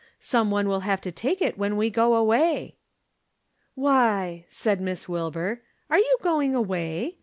Some one will have to take it when we go away." " Why !" said Miss Wilbur, " are you going away